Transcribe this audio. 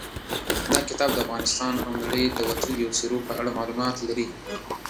دا کتاب د افغانستان او نړۍ د وتلیو څېرو په اړه معلومات لري.